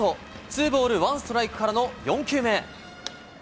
ツーボールワンストライクからの４球目。